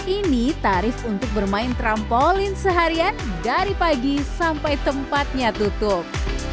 ini tarif untuk bermain trampolin seharian dari pagi sampai tempatnya tutup